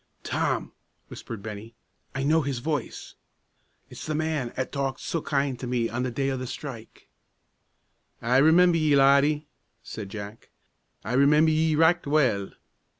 "Tom," whispered Bennie, "I know his voice. It's the man 'at talked so kind to me on the day o' the strike." "I remember ye, laddie," said Jack. "I remember ye richt well."